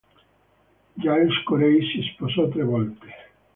Giles Corey si sposò tre volte.